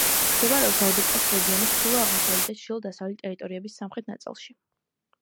მდებარეობს ალბერტას რეგიონის ჩრდილო-აღმოსავლეთ და ჩრდილო-დასავლეთ ტერიტორიების სამხრეთ ნაწილში.